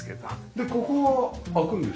でここは開くんですよね？